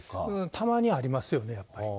たまにありますよね、やっぱり。